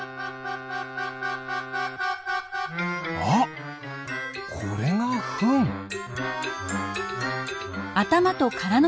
あっこれがフン！